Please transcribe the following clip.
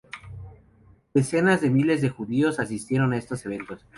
Decenas de miles de judíos asistieron a estos eventos.